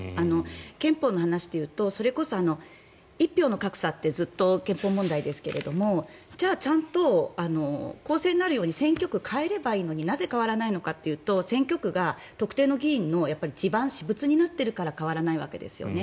憲法の話でいうとそれこそ一票の格差ってずっと憲法問題ですけどじゃあちゃんと公正になるように選挙区を変えればいいのになぜ変わらないのかというと選挙区が特定の議員の地盤私物になっているから変わらないわけですよね。